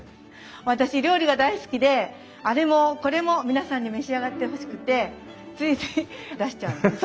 私料理が大好きであれもこれも皆さんに召し上がってほしくてついつい出しちゃうんです。